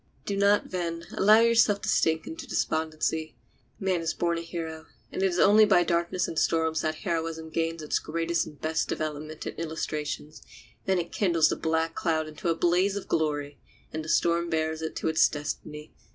Do not, then, allow yourself to sink into despondency. Man is born a hero, and it is only by darkness and storms that heroism gains its greatest and best development and illustrations; then it kindles the black cloud into a blaze of glory, and the storm bears it to its destiny.